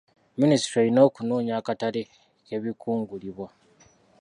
Minisitule erina okunoonya akatale k'ebikungulibwa.